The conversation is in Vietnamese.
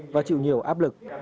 và chịu nhiều áp lực